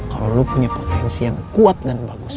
kalau lo punya potensi yang kuat dan bagus